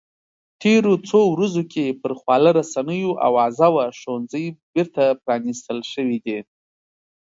تېرو څو ورځو کې پر خواله رسنیو اوازه وه ښوونځي بېرته پرانیستل شوي دي